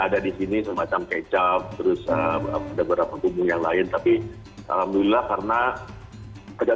ada di sini semacam kecap terus ada beberapa hubungan lain tapi alhamdulillah karena ada